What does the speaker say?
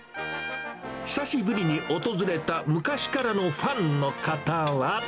久しぶりに訪れた昔からのファンの方は。